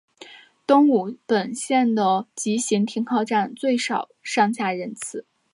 东武本线的急行停靠站最少上下车人次。